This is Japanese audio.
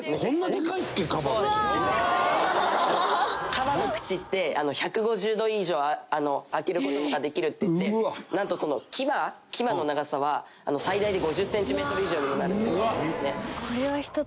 カバの口って１５０度以上開ける事ができるっていってなんとその牙の長さは最大で５０センチメートル以上にもなるといわれていますね。